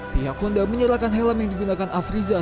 pihak honda menyerahkan helm yang digunakan afrizal